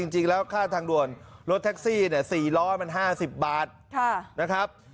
จริงแล้วค่าทางด่วนรถแท็กซี่เนี่ย๔๕๐บาทนะครับ